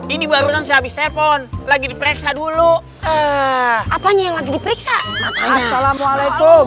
ini baru nanti habis telepon lagi diperiksa dulu apanya yang lagi diperiksa assalamualaikum